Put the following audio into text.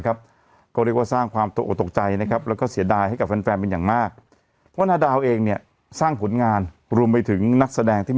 แกก็บอกว่ามันไม่เจอแต่ว่าแกมีข้อมูลใหม่